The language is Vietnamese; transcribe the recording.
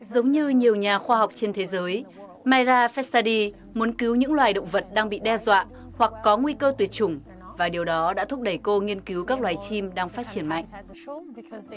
giống như nhiều nhà khoa học trên thế giới myra fessady muốn cứu những loài động vật đang bị đe dọa hoặc có nguy cơ tuyệt chủng và điều đó đã thúc đẩy cô nghiên cứu các loài chim đang phát triển mạnh